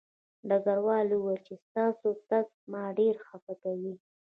ډګروال وویل چې ستاسو تګ ما ډېر خپه کوي